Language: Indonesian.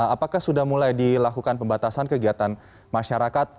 apakah sudah mulai dilakukan pembatasan kegiatan masyarakat